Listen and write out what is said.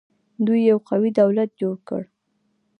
دوی یو قوي دولت جوړ کړ